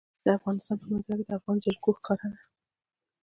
د افغانستان په منظره کې د افغانستان جلکو ښکاره ده.